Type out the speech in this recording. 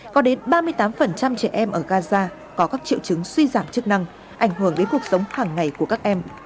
có đến ba mươi tám trẻ em ở gaza có các triệu chứng suy giảm chức năng ảnh hưởng đến cuộc sống hàng ngày của các em